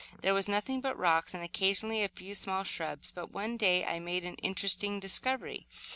There was nothing but rocks, with occasionally a few small shrubs. But one day I made an interesting discovery.